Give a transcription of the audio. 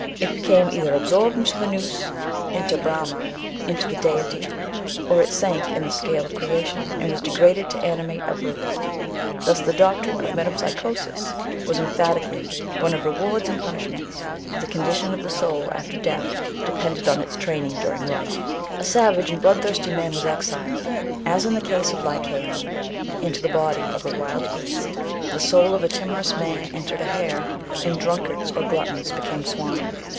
It became either absorbed into the notis, into Brahma, into the deity, or it sank in the scale of creation, and was degraded to animate a brute. Thus the doctrine of metempsychosis was emphatically one of rewards and punishments, for the condition of the soul ORIGIN OF THE WERE WOLF MYTH. 155 after death depended on its training daring life. A savage and bloodthirsty man was exiled, as in the case of Lycaon, into the body of a wild beast : the soul of a timorous man entered a hare, and drunkards or gluttons became swine.